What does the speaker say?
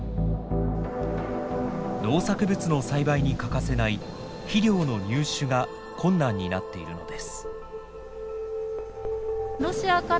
農作物の栽培に欠かせない肥料の入手が困難になっているのです。